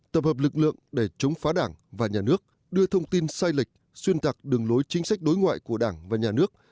tập hợp lực lượng để chống phá đảng và nhà nước đưa thông tin sai lệch xuyên tạc đường lối chính sách đối ngoại của đảng và nhà nước